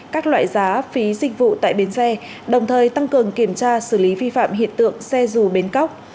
các loại giá phí dịch vụ tại bến xe đồng thời tăng cường kiểm tra xử lý vi phạm hiện tượng xe dù bến cóc